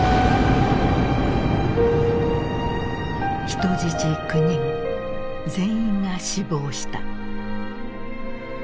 人質９人全員が死亡した。